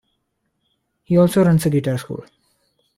He also runs a guitar school.